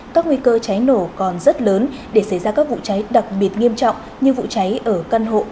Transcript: các nguy cơ cháy nổ còn rất lớn để xảy ra các vụ cháy đặc biệt nghiêm trọng như vụ cháy ở căn hộ